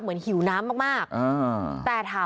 เมื่อวานแบงค์อยู่ไหนเมื่อวาน